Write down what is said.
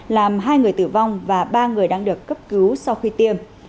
làm hai người tử vong và ba người đang được cấp cứu sau khi tiêm